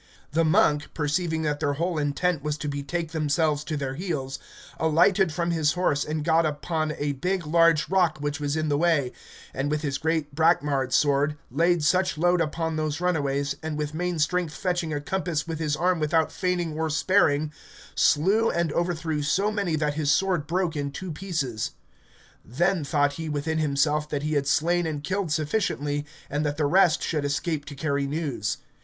The monk, perceiving that their whole intent was to betake themselves to their heels, alighted from his horse and got upon a big large rock which was in the way, and with his great brackmard sword laid such load upon those runaways, and with main strength fetching a compass with his arm without feigning or sparing, slew and overthrew so many that his sword broke in two pieces. Then thought he within himself that he had slain and killed sufficiently, and that the rest should escape to carry news.